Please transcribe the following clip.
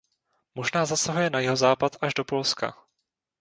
Možná zasahuje na jihozápad až do Polska.